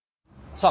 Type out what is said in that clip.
さあ